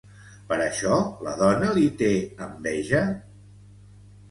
Per això la dona li té enveja?